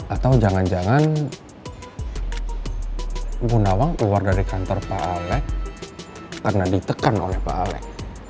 atau jangan jangan ibu nawal keluar dari kantor pak alek karena ditekan oleh pak alek